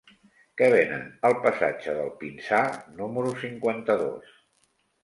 Què venen al passatge del Pinsà número cinquanta-dos?